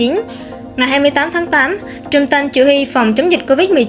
ngày hai mươi tám tháng tám trung tâm chủ y phòng chống dịch covid một mươi chín